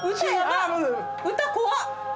歌怖っ！